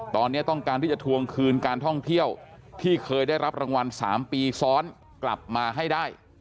ตอนนี้ต้องการที่จะทวงคืนการท่องเที่ยวที่เคยได้รับรางวัล๓ปีซ้อนกลับมาให้ได้